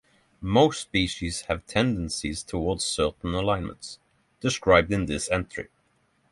Most species have tendencies toward certain alignments, described in this entry.